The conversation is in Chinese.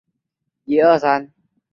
现效力于西甲球队塞维利亚。